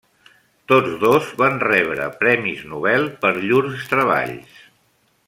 Tots dos van rebre premis Nobel per llurs treballs.